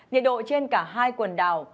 nhiệt độ trên cả hai quần đảo